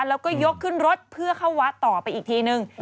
แล้วก็ยกขึ้นรถเพื่อเข้าวัดต่อไปอีกทีนึง